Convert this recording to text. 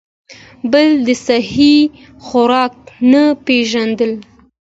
بل د سهي خوراک نۀ پېژندل ،